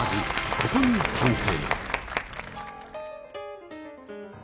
ここに完成！